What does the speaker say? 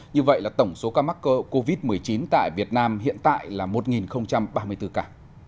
như vậy là tổng số ca mắc covid một mươi chín tại việt nam hiện tại là một ba mươi bốn ca